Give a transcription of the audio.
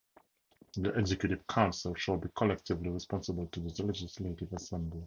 The Executive Council shall be collectively responsible to the Legislative Assembly.